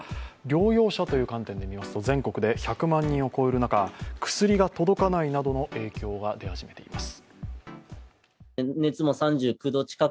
療養者という観点で見ますと、全国で１００万人を超える中、薬が届かないなどの影響が出始めています。